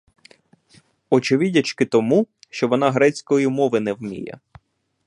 Очевидячки тому, що вона грецької мови не вміє.